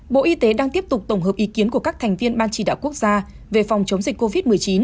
bộ y tế đang tiếp tục tổng hợp ý kiến của các thành viên ban chỉ đạo quốc gia về phòng chống dịch covid một mươi chín